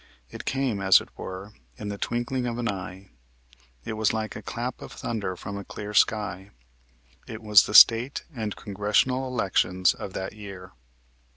It came, as it were, in the twinkling of an eye. It was like a clap of thunder from a clear sky. It was the State and Congressional elections of that year.